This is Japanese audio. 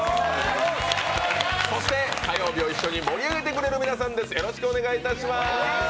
そして火曜日を一緒に盛り上げてくれる皆さんです。